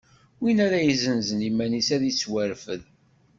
Win ara yessanzen iman-is ad ittwarfed.